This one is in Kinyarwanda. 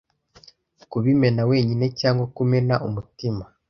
kubimena wenyine cyangwa kumena umutima